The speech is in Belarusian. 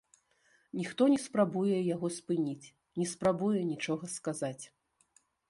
Ніхто не спрабуе яго спыніць, не спрабуе нічога сказаць.